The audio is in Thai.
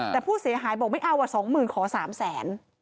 แต่ผู้เสียหายบอกไม่เอาว่าสองหมื่นขอสามแสน